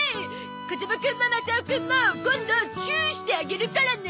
風間くんもマサオくんも今度チューしてあげるからね。